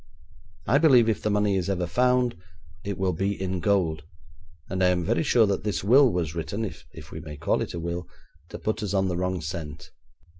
I believe if the money is ever found it will be in gold, and I am very sure that this will was written, if we may call it a will, to put us on the wrong scent.'